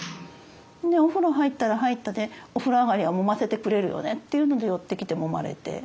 でお風呂入ったら入ったでお風呂上がりはもませてくれるよねっていうので寄ってきてもまれて。